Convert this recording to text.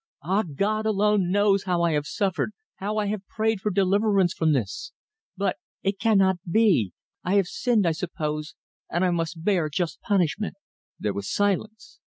Ah, God alone knows how I have suffered! how I have prayed for deliverance from this. But it cannot be. I have sinned, I suppose, and I must bear just punishment." There was silence.